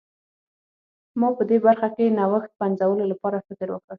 ما په دې برخه کې نوښت پنځولو لپاره فکر وکړ.